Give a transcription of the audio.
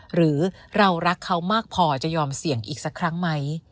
หรือเรารักเขามากพอจะยอมเสี่ยงอีกสักครั้งไหม